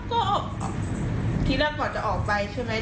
ก็ออกทีละก่อนจะออกไปใช่ไหม